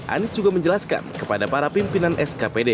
anies juga menjelaskan kepada para pimpinan skpd